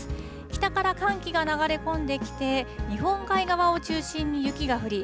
北から寒気が流れ込んできて、日本海側を中心に雪が降り、